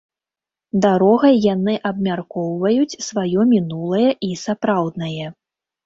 Дарогай яны абмяркоўваюць сваё мінулае і сапраўднае.